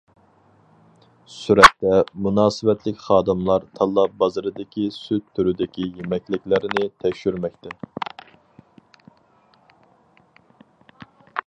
سۈرەتتە: مۇناسىۋەتلىك خادىملار تاللا بازىرىدىكى سۈت تۈرىدىكى يېمەكلىكلەرنى تەكشۈرمەكتە.